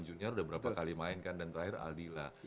dan juga junior udah berapa kali main kan dan terakhir aldila